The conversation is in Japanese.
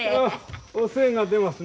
お精が出ますな。